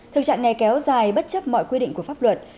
thực trạng này kéo dài bất chấp mọi quy định của pháp luật